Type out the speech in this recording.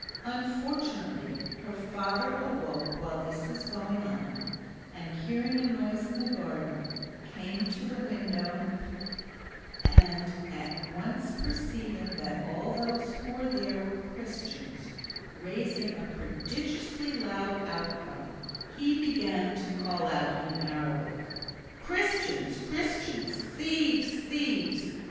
Unfortunately her father awoke while this was going on, and hearing a noise in the garden, came to the window, and at once perceiving that all those who were there were Christians, raising a prodigiously loud outcry, he began to call out in Arabic, "Christians, Christians! thieves, thieves!"